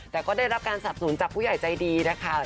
แต่ก็ได้รับการสับสนุนจากผู้ใหญ่ใจดีนะคะ